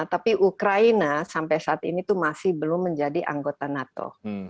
tapi ukraina sampai saat ini tuh masih belum menjadi anggota nato